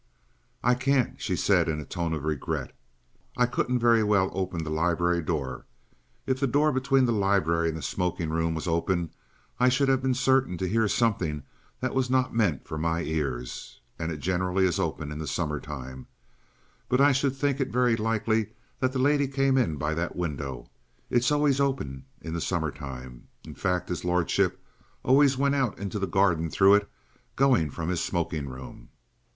"I can't," she said in a tone of regret. "I couldn't very well open the library door. If the door between the library and the smoking room was open, I should have been certain to hear something that was not meant for my ears. And it generally is open in summer time. But I should think it very likely that the lady came in by that window. It's always open in summer time. In fact, his lordship always went out into the garden through it, going from his smoking room."